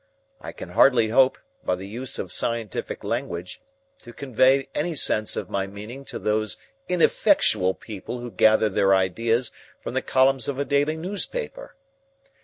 I can hardly hope, by the use of scientific language, to convey any sense of my meaning to those ineffectual people who gather their ideas from the columns of a daily newspaper.